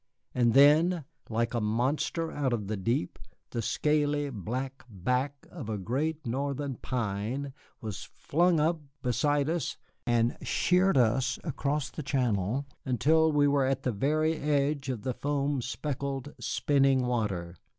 And then, like a monster out of the deep, the scaly, black back of a great northern pine was flung up beside us and sheered us across the channel until we were at the very edge of the foam specked, spinning water.